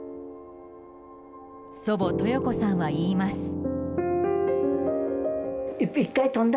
祖母・豊子さんは言います。